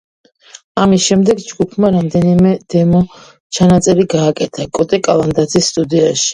ამის შემდეგ ჯგუფმა რამდენიმე დემო ჩანაწერი გააკეთა კოტე კალანდაძის სტუდიაში.